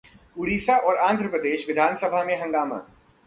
उड़ीसा और आंध्र प्रदेश विधानसभा में हंगामा